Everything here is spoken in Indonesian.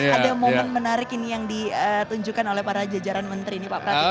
ada momen menarik ini yang ditunjukkan oleh para jajaran menteri ini pak pratik